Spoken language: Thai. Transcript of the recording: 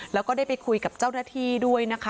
แล้วก็ได้ไปคุยกับเจ้าหน้าที่ด้วยนะคะ